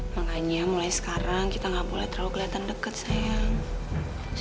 makanya mulai sekarang kita gak boleh terlalu keliatan deket sayang